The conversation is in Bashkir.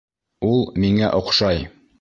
Ул миңә оҡшай!